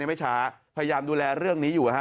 ไม่ช้าพยายามดูแลเรื่องนี้อยู่ฮะ